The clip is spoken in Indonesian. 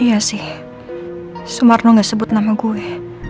iya sih sumarno gak sebut nama gue